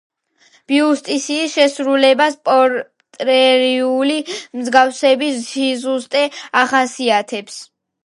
ბიუსტის შესრულებას პორტრეტული მსგავსების სიზუსტე ახასიათებს.